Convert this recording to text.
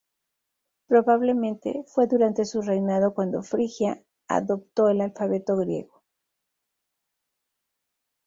Probablemente, fue durante su reinado cuando Frigia adoptó el alfabeto griego.